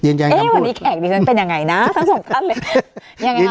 เอ๊วันนี้แขกดีซิเป็นยังไงนะสองพันเลยยังไงครับ